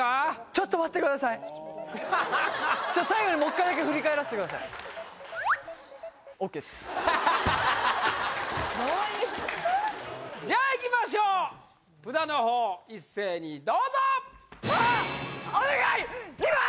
ちょっと最後にもう一回だけ振り返らせてくださいじゃあいきましょう札のほう一斉にどうぞお願い２番！